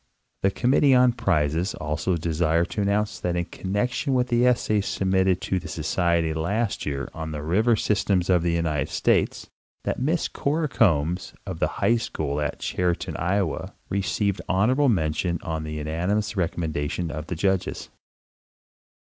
The Committee on Prizes also desire to announce that in con nection with the essays submitted to the Society last year on the river systems of the United States that Miss Cora Combs, of the high school at Chariton, [owa, received honorable mention on the unanimous recommendation of the judges.